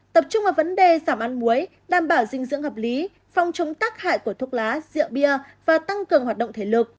tập trung vào vấn đề giảm ăn muối đảm bảo dinh dưỡng hợp lý phòng chống tắc hại của thuốc lá rượu bia và tăng cường hoạt động thể lực